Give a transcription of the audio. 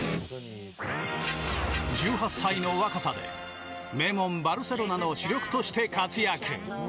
１８歳の若さで名門バルセロナの主力として活躍。